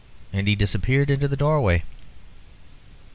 And he disappeared into the doorway.